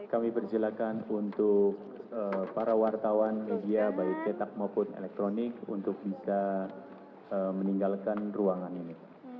kami persilakan untuk para wartawan media baik cetak maupun elektronik untuk bisa meninggalkan ruangan ini